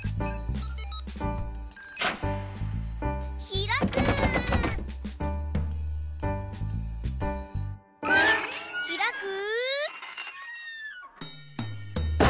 ひらく！